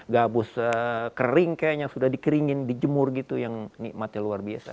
gabus pecah gabus kering yang sudah dikeringin dijemur gitu yang nikmatnya luar biasa